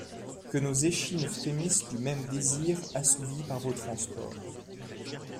Que nos échines frémissent du même désir assouvi par vos transports.